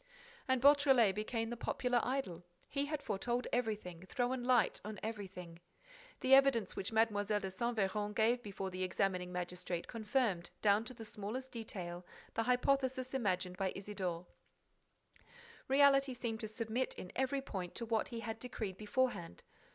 And Beautrelet became the popular idol. He had foretold everything, thrown light on everything. The evidence which Mlle. de Saint Véran gave before the examining magistrate confirmed, down to the smallest detail, the hypothesis imagined by Isidore. Reality seemed to submit, in every point, to what he had decreed beforehand.